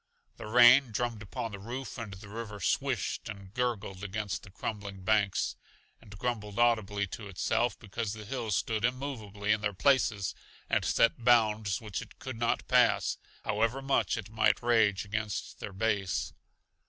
The rain drummed upon the roof and the river swished and gurgled against the crumbling banks, and grumbled audibly to itself because the hills stood immovably in their places and set bounds which it could not pass, however much it might rage against their base.